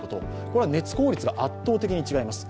これは熱効率が圧倒的に違います。